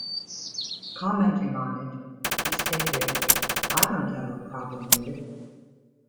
Commenting on it, he stated, I don't have a problem with it.